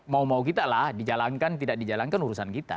mau mau kita lah dijalankan tidak dijalankan urusan kita